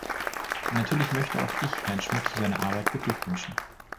Natürlich möchte auch ich Herrn Schmitt zu seiner Arbeit beglückwünschen.